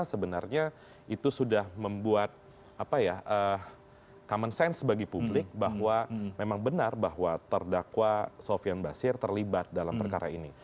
sebenarnya itu sudah membuat common sense bagi publik bahwa memang benar bahwa terdakwa sofian basir terlibat dalam perkara ini